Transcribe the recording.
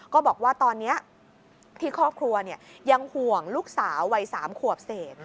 ก็บอกว่าตอนนี้ที่ครอบครัวยังห่วงลูกสาววัย๓ขวบเศษ